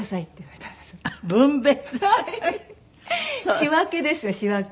仕分けですね仕分け。